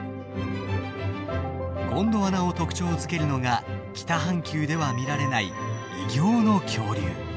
ゴンドワナを特徴づけるのが北半球では見られない異形の恐竜。